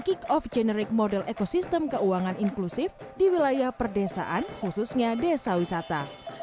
kick off generik model ekosistem keuangan inklusif di wilayah perdesaan khususnya desa wisata